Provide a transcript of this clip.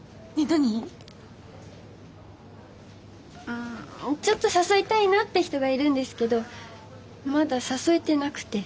んちょっと誘いたいなって人がいるんですけどまだ誘えてなくて。